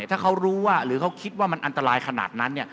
ถ้าเขารู้ว่าหรือเขาคิดว่ามันอันตรายขนาดนั้น